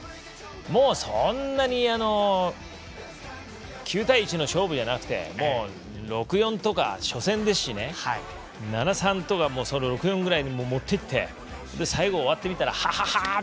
そんなに９対１の勝負じゃなくて初戦ですし、７−３とか６−４ぐらいに持っていって最後、終わってみたらハハハー！